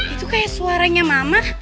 itu kayak suaranya mama